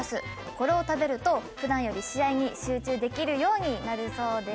これを食べると普段より試合に集中できるようになるそうです。